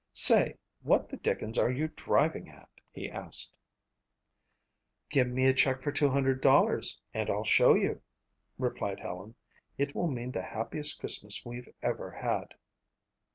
"Say, what the dickens are you driving at?" he asked. "Give me a check for $200 and I'll show you," replied Helen. "It will mean the happiest Christmas we've ever had."